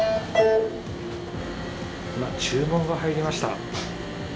今、注文が入りました。